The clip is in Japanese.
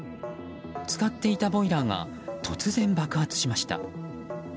使っていたボイラーが突然、爆発しました。